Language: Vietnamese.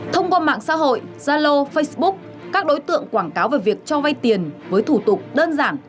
thông qua mạng xã hội zalo facebook các đối tượng quảng cáo về việc cho vay tiền với thủ tục đơn giản